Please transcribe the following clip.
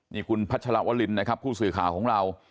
นี่คุณพัชรวรินนะครับผู้สื่อข่าวของเรา